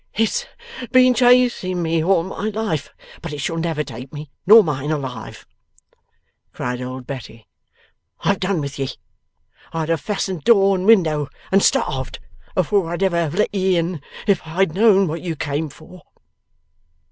'It's been chasing me all my life, but it shall never take me nor mine alive!' cried old Betty. 'I've done with ye. I'd have fastened door and window and starved out, afore I'd ever have let ye in, if I had known what ye came for!